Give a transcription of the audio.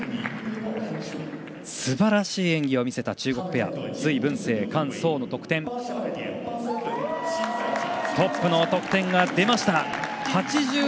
すばらしい演技を見せた中国ペア隋文静、韓聡の得点が出ました。